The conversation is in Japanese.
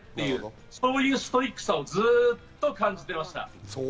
そういうストイックさをずっと感じていました。